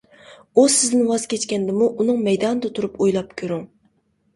ئۇ سىزدىن ۋاز كەچكەندىمۇ ئۇنىڭ مەيدانىدا تۇرۇپ ئويلاپ كۆرۈڭ.